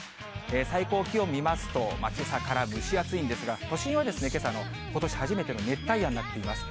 最高気温見ますと、けさから蒸し暑いんですが、都心はけさ、ことし初めての熱帯夜になっています。